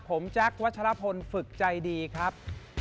ผมแจ๊ควัชลพลฝึกใจดีครับ